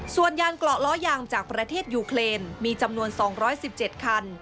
ส่วนยางเกราะล้อยางจากประเทศยูเครนมีจำนวน๒๑๗คัน